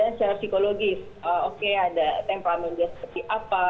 kemudian secara psikologis oke ada temperamentnya seperti apa